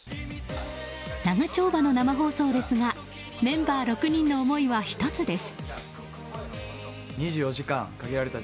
長丁場の生放送ですがメンバー６人の思いは一つです。